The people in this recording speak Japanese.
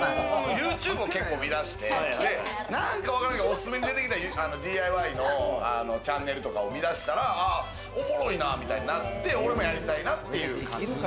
ユーチューブを結構見だして、なんかわからへんけれども、おすすめに出てきたＤＩＹのチャンネルとかを見だしたら、おもろいなみたいになって、俺もやりたいなという感じ。